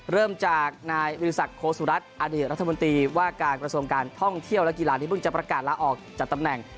เริ่มจากนายวิทยาศักดิ์โคสุรัตน์อดีตรัฐมนตรีว่าการกระทรวงการท่องเที่ยวและกีฬาที่เพิ่งจะประกาศลาออกจากตำแหน่ง